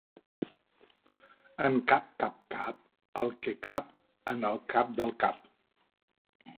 En cap cap cap el que cap en el cap del cap.